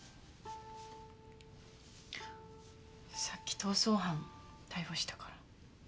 さっき逃走犯逮捕したから。